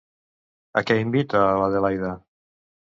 A què invita a l'Adelaida?